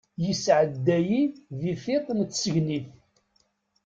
Yesɛedda-yi di tiṭ n tsegnit.